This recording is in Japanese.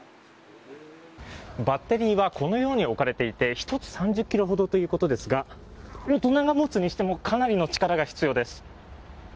バッテリーはこのように置かれていて１つ３０ｋｇということですが大人が持つにしてもかなりの力が必要です。